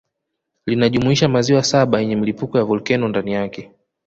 Linajumuisha maziwa saba yenye milipuko ya volkeno ndani yake